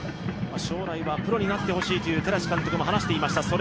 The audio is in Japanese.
将来はプロになってほしいという寺師監督も話していました。